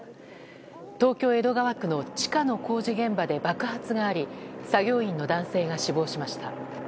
東京・江戸川区の地下の工事現場で爆発があり作業員の男性が死亡しました。